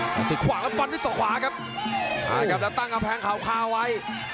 แสนศึกขวางแล้วฟันด้วยส่อขวาครับแล้วตั้งเอาแพงขาวไว้